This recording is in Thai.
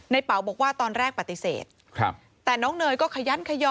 เป๋าบอกว่าตอนแรกปฏิเสธแต่น้องเนยก็ขยันขยอ